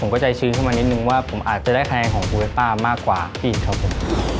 ผมก็ใจชื้นเข้ามานิดหนึ่งว่าผมอาจจะได้คะแนนของครูเวสป้ามากกว่าอิทธิ์ครับผม